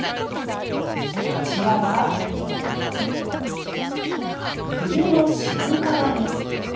こちらはくりの渋皮煮。